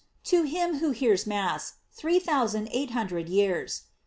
To him who hears Mass, three thousand eight hun dred years.